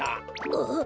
あっ。